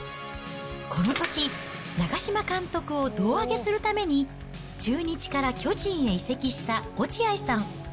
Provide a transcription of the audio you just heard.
この年、長嶋監督を胴上げするために、中日から巨人へ移籍した落合さん。